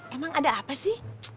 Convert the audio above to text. emang ada apa sih